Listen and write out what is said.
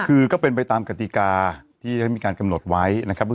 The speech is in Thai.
คือก็เป็นไปตามกติกาที่ได้มีการกำหนดไว้นะครับ